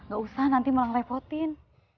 gak usah nanti malah ngerepotin